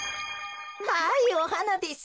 はいおはなです。